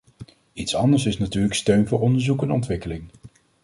Iets anders is natuurlijk steun voor onderzoek en ontwikkeling.